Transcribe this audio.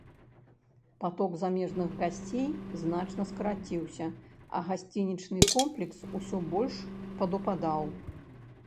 Паток замежных гасцей значна скараціўся, а гасцінічны комплекс усё больш падупадаў.